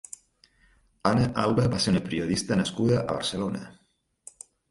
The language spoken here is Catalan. Ana Alba va ser una periodista nascuda a Barcelona.